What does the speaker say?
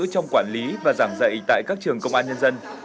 trong quản lý và giảng dạy tại các trường công an nhân dân